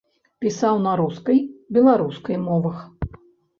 Пісаў на рускай, беларускай мовах.